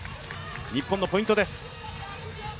日本のポイントです。